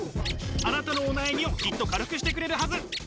あなたのお悩みをきっと軽くしてくれるはず。